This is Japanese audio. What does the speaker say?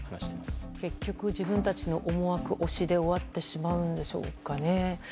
結局、自分たちの思惑推しで終わってしまうんでしょうかね。